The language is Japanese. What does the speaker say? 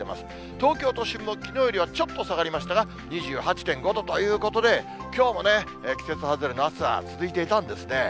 東京都心もきのうよりはちょっと下がりましたが、２８．５度ということで、きょうも、季節外れの暑さが続いていたんですね。